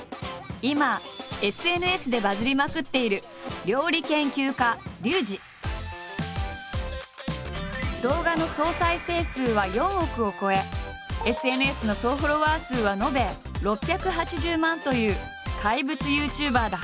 今ＳＮＳでバズりまくっている動画の総再生数は４億を超えＳＮＳの総フォロワー数は延べ６８０万という怪物ＹｏｕＴｕｂｅｒだ。